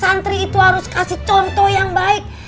santri itu harus kasih contoh yang baik